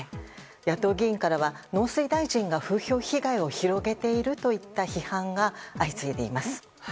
野党議員からは農水大臣が風評被害を広げているといった批判が相次いでいます。